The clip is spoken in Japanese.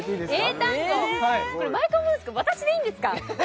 これ毎回思うんですけど私でいいんですか？